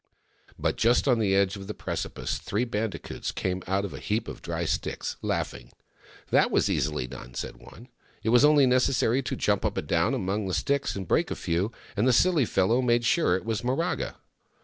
But just on the edge of the precipice three bandi coots came out of a heap of dry sticks, laughing. " That was easily done," said one. " It was only necessary to jump up and down among the sticks and break a few, and the silly fellow made sure it was Miraga."